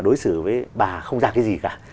đối xử với bà không ra cái gì cả